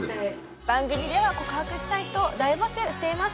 番組では告白したい人を大募集しています